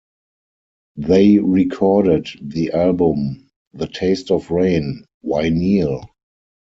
They recorded the album The Taste of Rain... Why Kneel?